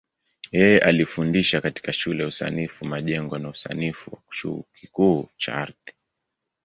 Yeye alifundisha katika Shule ya Usanifu Majengo na Usanifu wa Chuo Kikuu cha Ardhi.